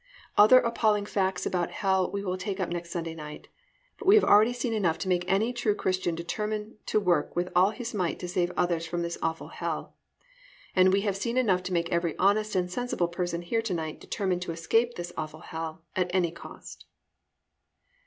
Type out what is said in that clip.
Other appalling facts about hell we will take up next Sunday night, but we have already seen enough to make any true Christian determine to work with all his might to save others from this awful hell. And we have seen enough to make every honest and sensible person here to night determine to escape this awful hell at any cost.